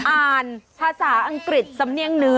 อ่านภาษาอังกฤษสำเนียงเนื้อ